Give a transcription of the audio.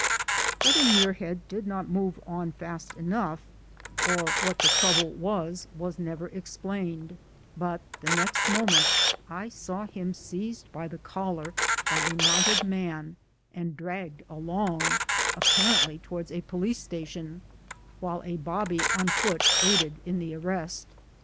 Whether Muir head did not move on fast enough, or what the 2 5 6 MY DAYS AND DREAMS trouble was, was never explained ; but the next moment I saw him seized by the collar by a mounted man and dragged along, apparently towards a police station, while a bobby on foot aided in the arrest.